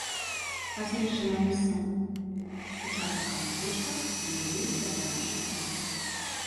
Паселішча на месцы сучаснага мястэчка з'явілася да нашай эры.